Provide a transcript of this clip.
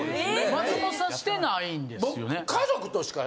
松本さんしてないんですよね？